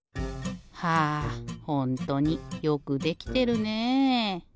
はあほんとによくできてるねえ。